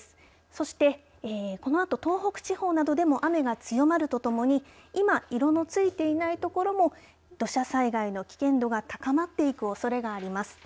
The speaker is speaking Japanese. そして、このあと東北地方などでも雨が強まるとともに今、色のついていないところも土砂災害の危険度が高まっていくおそれがあります。